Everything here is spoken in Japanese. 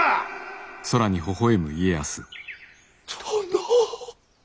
殿。